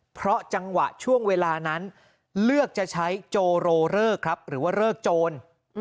เพราะจังหวะช่วงเวลานั้นเลือกจะใช้โจโรเลิกครับหรือว่าเลิกโจร